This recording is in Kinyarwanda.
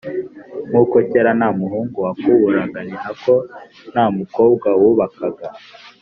Nk’uko kera nta muhungu wakuburaga, ni na ko nta mukobwa wubakaga